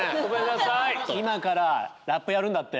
今からラップやるんだって？